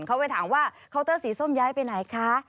เขาไปถามว่าเคาน์เตอร์สีส้มย้ายไปไหนคะ